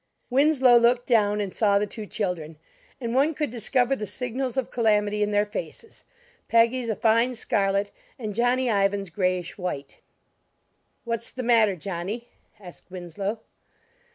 Winslow looked down and saw the two children; and one could discover the signals of calamity in their faces: Peggy's a fine scarlet and Johnny Ivan's grayish white. "What's the matter, Johnny?" asked Winslow.